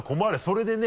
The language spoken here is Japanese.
それでね